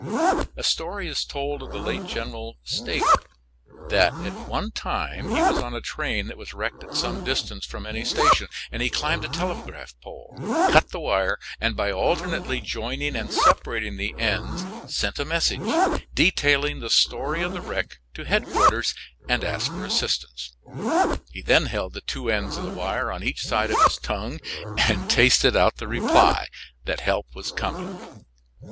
A story is told of the late General Stager that at one time he was on a train that was wrecked at some distance from any station. He climbed a telegraph pole, cut the wire and by alternately joining and separating the ends sent a message, detailing the story of the wreck, to headquarters, and asked for assistance. He then held the two ends of the wire on each side of his tongue and tasted out the reply that help was coming.